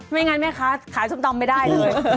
ไม่งั้นแม่ค้าขายไม่ได้เลย